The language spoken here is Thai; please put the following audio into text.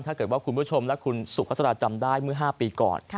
ถ้าเกิดว่าคุณผู้ชมและคุณสุภาษาจำได้เมื่อ๕ปีก่อน